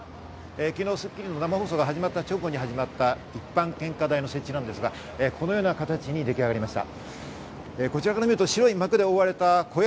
昨日『スッキリ』の生放送が始まった直後に始まった一般献花台の設置ですが、このような形にでき上がりました。